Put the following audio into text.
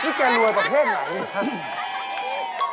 นี่แกรวยประเทศไหม